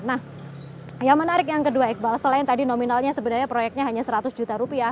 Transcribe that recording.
nah yang menarik yang kedua iqbal selain tadi nominalnya sebenarnya proyeknya hanya seratus juta rupiah